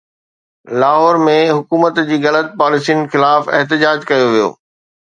لاهور ۾ حڪومت جي غلط پاليسين خلاف احتجاج ڪيو ويو